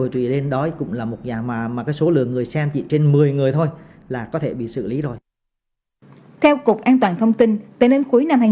tới đến cuối năm hai nghìn một mươi bảy